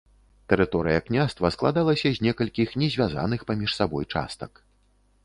Тэрыторыя княства складалася з некалькіх не звязаных паміж сабой частак.